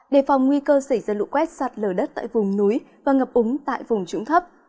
đề phòng nguy cơ xảy ra lụ quét sạt lở đất tại vùng núi và ngập úng tại vùng trũng thấp